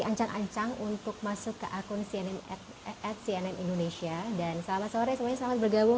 bantuan ancang untuk masuk ke akun cnn at cnn indonesia dan selamat sore selamat bergabung